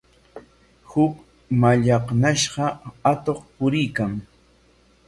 Huk mallaqnashqa atuq puriykan.